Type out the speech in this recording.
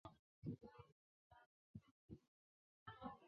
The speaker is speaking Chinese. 山东半岛属暖温带湿润季风气候。